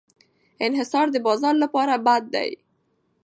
انحصار د بازار لپاره بد دی.